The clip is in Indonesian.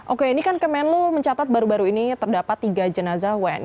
oke ini kan kemenlu mencatat baru baru ini terdapat tiga jenazah wni